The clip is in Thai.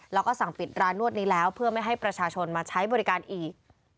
แล้วก็สั่งปิดร้านนวดนี้แล้วเพื่อไม่ให้ประชาชนมาใช้บริการอีก